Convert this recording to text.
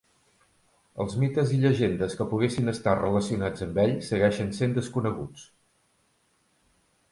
Els mites i llegendes que poguessin estar relacionats amb ell segueixen sent desconeguts.